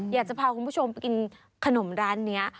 อยากจะพาคุณผู้ชมไปกินขนมร้านนี้